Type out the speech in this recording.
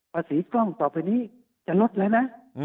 ประสิทธิ์กล้องต่อไปนี้จะลดแล้วนะ